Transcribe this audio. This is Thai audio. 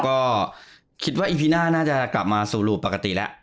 ก็คิดว่าอีพีหน้าน่าจะกลับมาสู่รูปปกติแล้ว